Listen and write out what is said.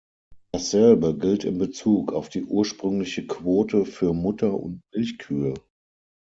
Dasselbe gilt in bezug auf die ursprüngliche Quote für Mutter- und Milchkühe.